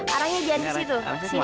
arangnya di situ